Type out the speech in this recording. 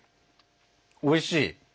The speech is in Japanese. おいしい。